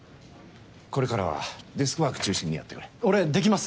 これからはデスクワーク中心にやってくれ俺できます